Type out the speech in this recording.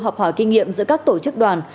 học hỏi kinh nghiệm giữa các tổ chức đoàn